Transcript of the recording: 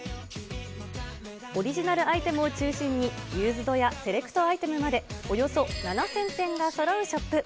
オリジナルアイテムを中心に、ユーズドやセレクトアイテムまで、およそ７０００点がそろうショップ。